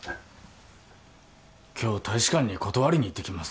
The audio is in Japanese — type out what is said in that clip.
今日大使館に断りに行ってきます